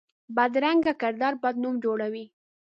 بدرنګه کردار بد نوم جوړوي